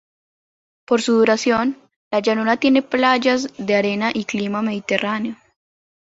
Por su duración, la llanura tiene playas de arena y clima Mediterráneo.